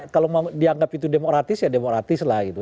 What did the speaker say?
kalau mau dianggap itu demokratis ya demokratis lah gitu